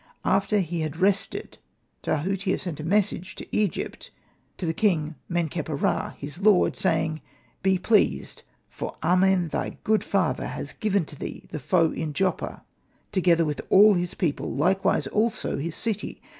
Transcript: After he had rested Tahutia sent a message to Egypt to the King Men kheper ra his lord, saying, " Be pleased, for Amen thy good father has given to thee the Foe in Joppa, together with all his people, likewise also his city.